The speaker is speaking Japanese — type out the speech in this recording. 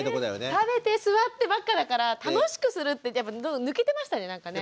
食べて座ってばっかだから楽しくするって抜けてましたねなんかね。